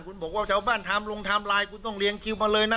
คุณบอกว่าชาวบ้านทำลงไทม์ไลน์คุณต้องเรียงคิวมาเลยนะ